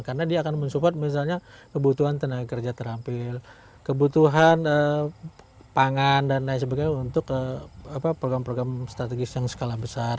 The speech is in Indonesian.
karena dia akan men support misalnya kebutuhan tenaga kerja terampil kebutuhan pangan dan lain sebagainya untuk program program strategis yang skala besar